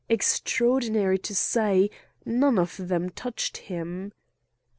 Extraordinary to say, none of them touched him.